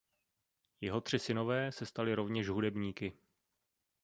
Jeho tři synové se stali rovněž hudebníky.